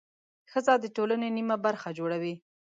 ښځه د ټولنې نیمه برخه جوړوي.